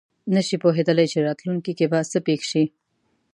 نه شي پوهېدلی چې راتلونکې کې به څه پېښ شي.